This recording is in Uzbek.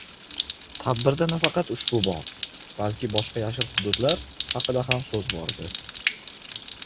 Tadbirda nafaqat ushbu bog', balki boshqa yashil hududlar haqida ham so'z bordi.